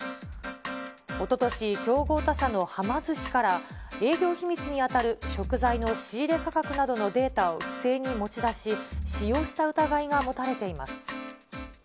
おととし、競合他社のはま寿司から、営業秘密に当たる食材の仕入れ価格などのデータを不正に持ち出し、使用した疑いが持たれています。